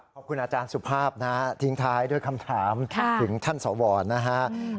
ขอบคุณอาจารย์สุภาพนะฮะทิ้งท้ายด้วยคำถามถึงท่านสวรนะฮะ